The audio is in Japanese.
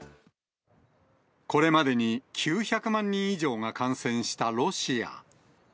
これまでに９００万人以上が感染したロシア。